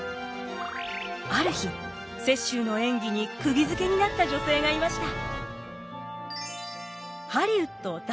ある日雪洲の演技にくぎづけになった女性がいました。